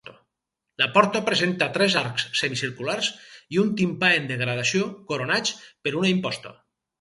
La porta presenta tres arcs semicirculars i un timpà en degradació coronats per una imposta.